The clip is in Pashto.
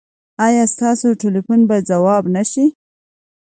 ایا ستاسو ټیلیفون به ځواب نه شي؟